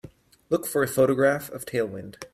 Look for a photograph of Tailwind